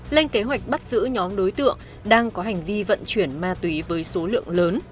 lên kế hoạch bắt giữ nhóm đối tượng đang có hành vi vận chuyển ma túy với số lượng lớn